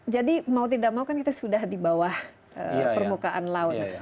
jadi mau tidak mau kan kita sudah di bawah permukaan laut